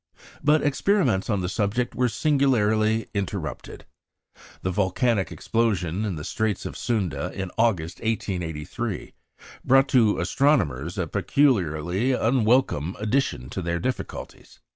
But experiments on the subject were singularly interrupted. The volcanic explosion in the Straits of Sunda in August, 1883, brought to astronomers a peculiarly unwelcome addition to their difficulties.